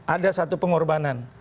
ada satu pengorbanan